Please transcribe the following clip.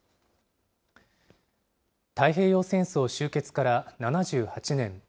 太平洋戦争終結から７８年。